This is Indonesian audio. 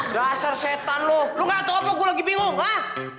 dasar setan loh lu gak tau apa gue lagi bingung lah